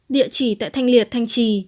địa chỉ tại thanh liệt thanh trì